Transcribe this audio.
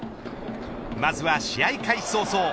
まずは試合開始早々。